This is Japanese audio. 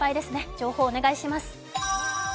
情報お願いします。